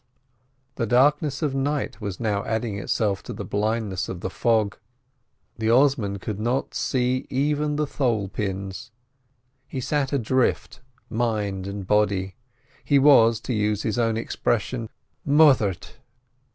The darkness of night was now adding itself to the blindness of the fog. The oarsman could not see even the thole pins. He sat adrift mind and body. He was, to use his own expression, "moithered."